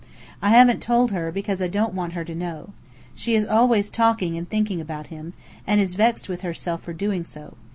I haven't told her, because I don't want her to know. She is always talking and thinking about him, and is vexed with herself for doing so.